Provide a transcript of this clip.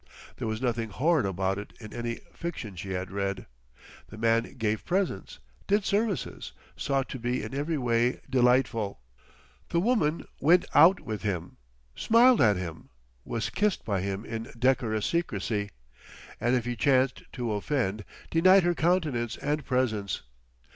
There was nothing "horrid" about it in any fiction she had read. The man gave presents, did services, sought to be in every way delightful. The woman "went out" with him, smiled at him, was kissed by him in decorous secrecy, and if he chanced to offend, denied her countenance and presence.